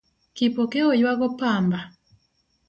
Kipokeo ywago pamba?